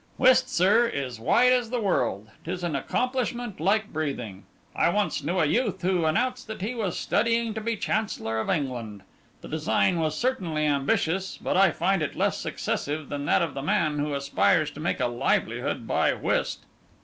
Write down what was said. Whist, sir, is wide as the world; 'tis an accomplishment like breathing. I once knew a youth who announced that he was studying to be Chancellor of England; the design was certainly ambitious; but I find it less excessive than that of the man who aspires to make a livelihood by whist.